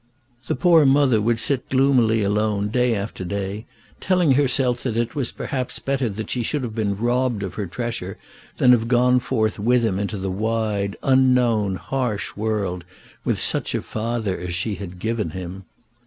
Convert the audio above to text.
The poor mother would sit gloomily alone day after day, telling herself that it was perhaps better that she should have been robbed of her treasure than have gone forth with him into the wide, unknown, harsh world with such a father as she had given him.